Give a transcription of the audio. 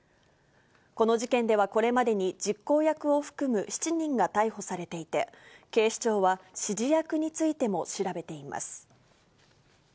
この事件ではこれまでに、実行役を含む７人が逮捕されていて、警視庁は指示役についても調べています。